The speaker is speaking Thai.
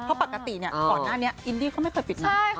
เพราะปกติเนี่ยก่อนหน้านี้อินดี้เขาไม่เคยปิดใช่เขาไม่เคยปิด